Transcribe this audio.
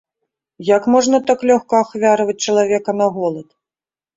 Як можна так лёгка ахвяраваць чалавека на голад?